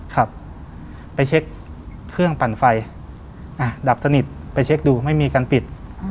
ครับไปเช็คเครื่องปั่นไฟดับสนิทไปเช็คดูไม่มีการปิด